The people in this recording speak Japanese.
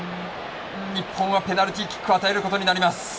日本はペナルティーキックを与えることになります。